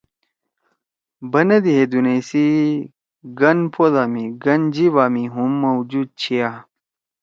بندی ہے دُونئی سی گن پودا می گن جیےبا می ہُم موجود چھیا۔